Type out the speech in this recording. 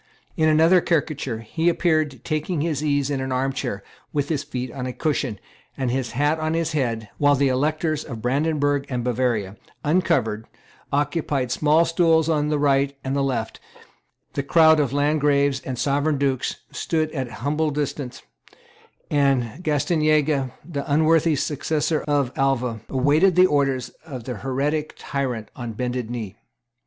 In another caricature, he appeared taking his ease in an arm chair, with his feet on a cushion, and his hat on his head, while the Electors of Brandenburg and Bavaria, uncovered, occupied small stools on the right and left; the crowd of Landgraves and Sovereign dukes stood at humble distance; and Gastanaga, the unworthy successor of Alva, awaited the orders of the heretic tyrant on bended knee.